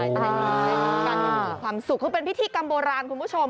การกรรมความสุขเป็นพิธีกรรมบรานคุณผู้ชม